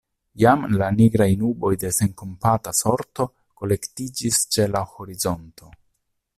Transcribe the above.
Jam la nigraj nuboj de senkompata sorto kolektiĝis ĉe la horizonto.